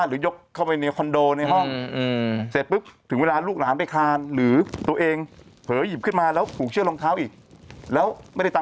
ล้านจนมือแห้งหมดแล้วค่ะตอนนี้